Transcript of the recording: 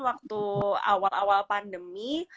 waktu awal awal pandemi